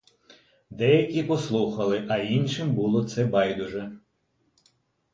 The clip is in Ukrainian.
Деякі послухали, а іншим було це байдуже.